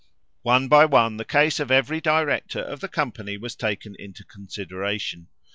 One by one the case of every director of the company was taken into consideration.